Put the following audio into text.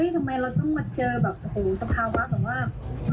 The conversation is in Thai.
ทำไมเราต้องมาเจอสภาวะแบบว่า